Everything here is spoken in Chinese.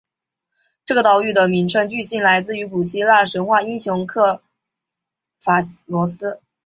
这个岛屿的名称据信来自于古希腊神话英雄刻法罗斯。